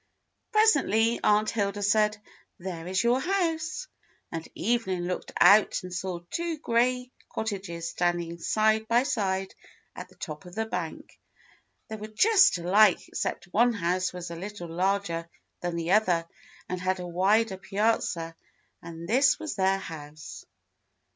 Presently Aunt Hilda said, "There is your house," and Evelyn looked out and saw two gray cottages standing side by side at the top of the bank. They were just alike except one house was a little larger than the other and had a wider piazza, and this was their house.